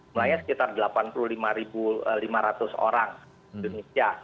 mulainya sekitar delapan puluh lima lima ratus orang indonesia